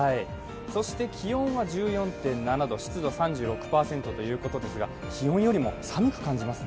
気温は１４．７度、湿度３６％ということですが、気温よりも寒く感じますね。